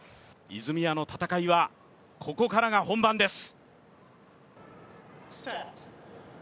泉谷の戦いはここからが本番です。